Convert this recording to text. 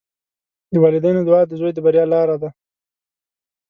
د والدینو دعا د زوی د بریا لاره ده.